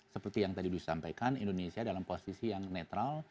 seperti yang tadi disampaikan indonesia dalam posisi yang netral